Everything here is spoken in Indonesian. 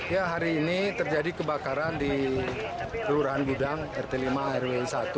ya hari ini terjadi kebakaran di kelurahan gudang rt lima rw satu